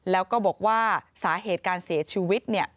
แล้วก็บอกว่าสาเหตุการเสียชีวิต